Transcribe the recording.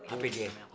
apa dia namanya